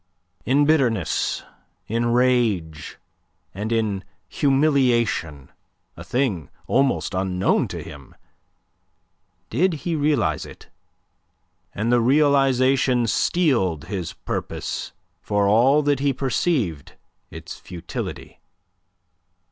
In bitterness, in rage, and in humiliation a thing almost unknown to him did he realize it, and the realization steeled his purpose for all that he perceived its futility.